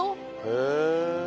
へえ。